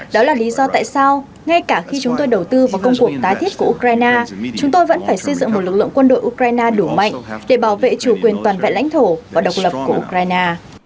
đó là lý do tại sao ngay cả khi chúng tôi đầu tư vào công cuộc tái thiết của ukraine chúng tôi vẫn phải xây dựng một lực lượng quân đội ukraine đủ mạnh để bảo vệ chủ quyền toàn vẹn lãnh thổ và độc lập của ukraine